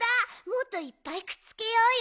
もっといっぱいくっつけようよ。